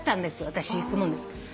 私行くもんですから。